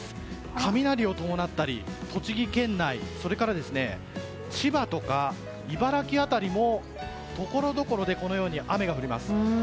雷を伴ったり栃木県内それから千葉とか茨城辺りもところどころで雨が降ります。